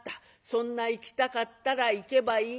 そんな行きたかったら行けばいいがや。